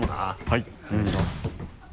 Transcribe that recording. はいお願いします。